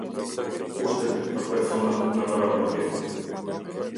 Kushtet për personat në paraburgim.